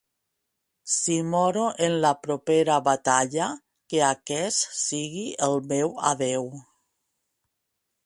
Si moro en la propera batalla, que aquest sigui el meu adeu.